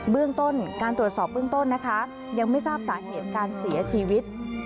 เรื่องต้นการตรวจสอบเบื้องต้นนะคะยังไม่ทราบสาเหตุการเสียชีวิต